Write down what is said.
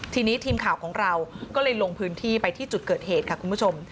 ทีนี้ทีมข่าวของเราก็เลยลงพื้นที่ไปที่จุดเกิดเหตุค่ะคุณผู้ชม